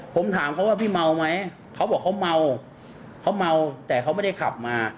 ผมถามเขาว่าพี่เมาไหมเขาบอกเขาเมาเขาเมาแต่เขาไม่ได้ขับมา